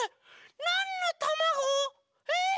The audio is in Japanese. なんのたまご？えっ！